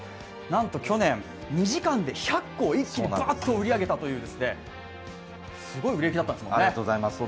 なんと去年、２時間で１００個を一気にばーっと売り上げたというすごい売れ行きだったんですね。